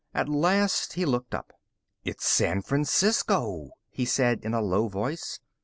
At last he looked up. "It's San Francisco," he said in a low voice.